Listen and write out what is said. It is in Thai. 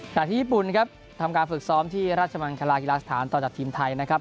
ที่ญี่ปุ่นครับทำการฝึกซ้อมที่ราชมังคลากีฬาสถานต่อจากทีมไทยนะครับ